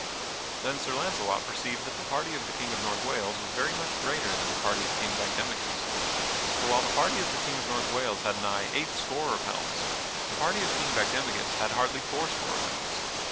Then Sir Launcelot perceived that the party of the King of North Wales was very much greater than the party of King Bagdemagus; for while the party of the King of North Wales had nigh eight score of helms, the party of King Bagdemagus had hardly four score of helms.